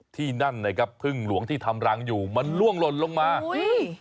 ที่นั่นนะครับพึ่งหลวงที่ทำรังอยู่มันล่วงหล่นลงมาอุ้ย